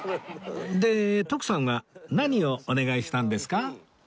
で徳さんは何をお願いしたんですか？